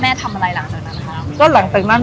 แม่ทำอะไรหลังจากนั้น